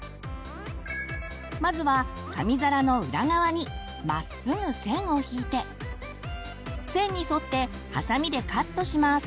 まずは紙皿の裏側にまっすぐ線を引いて線に沿ってハサミでカットします。